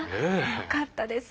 よかったです。